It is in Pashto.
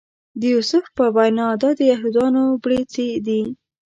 د یوسف په وینا دا د یهودانو بړیڅي دي.